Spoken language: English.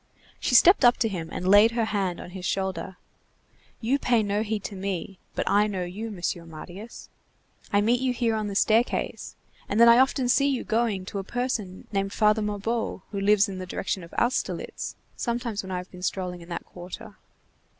She stepped up to him, and laid her hand on his shoulder: "You pay no heed to me, but I know you, Mr. Marius. I meet you here on the staircase, and then I often see you going to a person named Father Mabeuf who lives in the direction of Austerlitz, sometimes when I have been strolling in that quarter.